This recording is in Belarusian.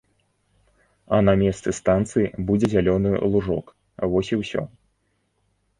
А на месцы станцыі будзе зялёны лужок, вось і ўсё.